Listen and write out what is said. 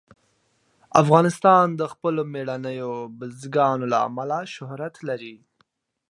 افغانستان د خپلو مېړنیو بزګانو له امله شهرت لري.